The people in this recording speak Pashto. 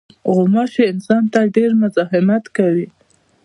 غوماشې انسان ته ډېر مزاحمت کوي.